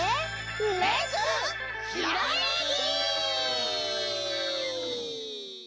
「レッツ！ひらめき」！